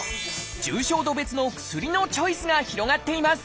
重症度別の薬のチョイスが広がっています